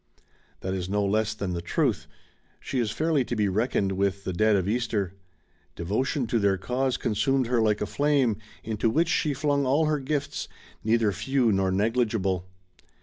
That is no less than the truth. She is fairly to be reckoned with the dead of Easter. Devotion to their cause consumed her like a flame into which she flung all her gifts, neither few nor negUgible.